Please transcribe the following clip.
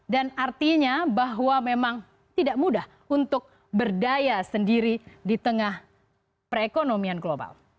dan artinya bahwa memang tidak mudah untuk berdaya sendiri di tengah perekonomian global